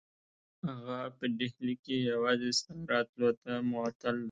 هغه په ډهلي کې یوازې ستا راتلو ته معطل دی.